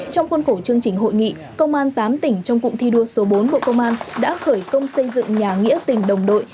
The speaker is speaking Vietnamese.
trong khuôn khổ chương trình hội nghị công an tám tỉnh trong cụm thi đua số bốn bộ công an đã khởi công xây dựng nhà nghĩa tình đồng đội